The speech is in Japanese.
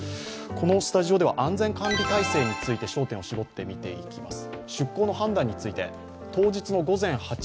このスタジオでは安全管理体制について焦点を絞って見ていきます。